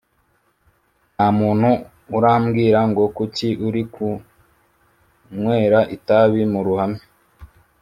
nta muntu urambwira ngo ‘kuki uri kunywera itabi mu ruhame’